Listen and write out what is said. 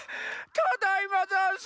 ただいまざんす！